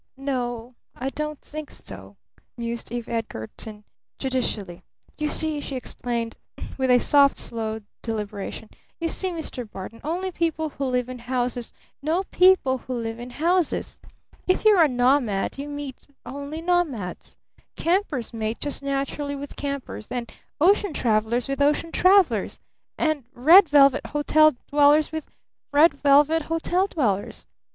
"N o, I don't think so," mused Eve Edgarton judicially. "You see," she explained with soft, slow deliberation, "you see, Mr. Barton, only people who live in houses know people who live in houses! If you're a nomad you meet only nomads! Campers mate just naturally with campers, and ocean travelers with ocean travelers and red velvet hotel dwellers with red velvet hotel dwellers.